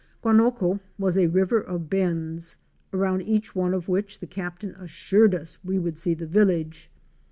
Guanoco was a river of bends, around each one of which the Captain assured us we would see the village.